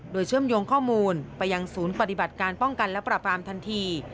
โดยเชื่อมโยงข้อมูลไปยังศูนย์ปฏิบัติการป้องกันและปราบรามทันที